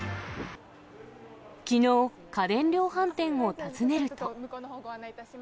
きのう、家電量販店を訪ねると。